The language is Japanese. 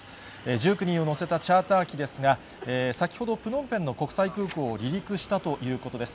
１９人を乗せたチャーター機ですが、先ほど、プノンペンの国際空港を離陸したということです。